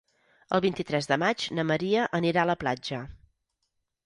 El vint-i-tres de maig na Maria anirà a la platja.